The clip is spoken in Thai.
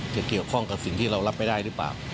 จะเกี่ยวข้องกับสิ่งที่เรารับไม่ได้หรือเปล่า